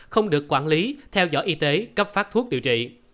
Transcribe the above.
không được quản lý theo dõi y tế cấp phát thuốc điều trị